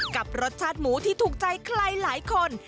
กับรสชาติหมูที่ถูกใจใครหลายคน